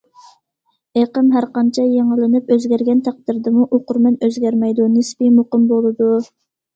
ئېقىم ھەرقانچە يېڭىلىنىپ، ئۆزگەرگەن تەقدىردىمۇ، ئوقۇرمەن ئۆزگەرمەيدۇ، نىسپىي مۇقىم بولىدۇ.